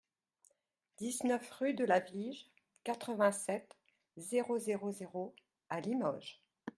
dix-neuf rue de la Vige, quatre-vingt-sept, zéro zéro zéro à Limoges